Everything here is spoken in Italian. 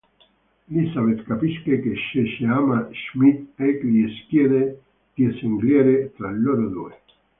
Elizabeth capisce che Cece ama Schmidt, e gli chiede di scegliere tra loro due.